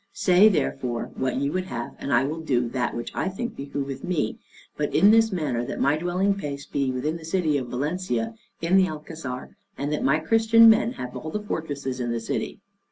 Say therefore what ye would have, and I will do that which I think behooveth me: but in this manner, that my dwelling place be within the city of Valencia, in the Alcazar, and that my Christian men have all the fortresses in the city."